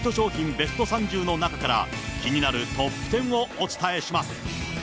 ベスト３０の中から、気になるトップ１０をお伝えします。